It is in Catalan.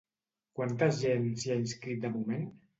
Quanta gent s'hi ha inscrit de moment?